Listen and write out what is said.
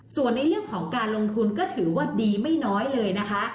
ส่วนในเรื่องของการลงทุนก็ถือว่าดีไม่น้อยเลยนะคะ